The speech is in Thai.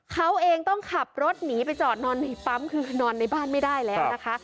เขาเองต้องขับรถหนีไปจอดนอนในปั๊มคือนอนในบ้านไม่ได้แล้วนะคะ